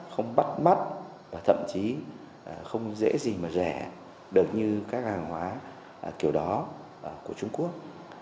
không bắt mắt và thậm chí không dễ gì mà rẻ được như các hàng hóa kiểu đó của trung quốc